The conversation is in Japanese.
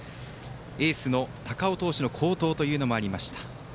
エースの高尾投手の好投もありました。